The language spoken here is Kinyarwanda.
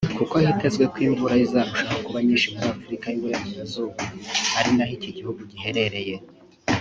kuko hitezwe ko imvura izarushaho kuba nyinshi muri Afurika y’Uburengerazuba ari na ho iki gihugu giherereye